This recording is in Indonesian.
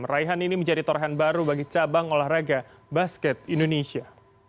raihan ini menjadi torehan baru bagi cabang olahraga basket indonesia